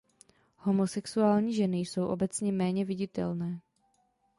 Homosexuální ženy jsou obecně méně viditelné.